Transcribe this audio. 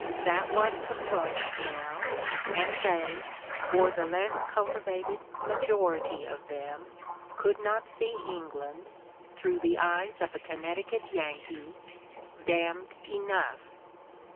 — that was the point now; and they, or the less cultivated majority of them, could not see England, through the eyes of a Con ' necticut Yankee, damned enough!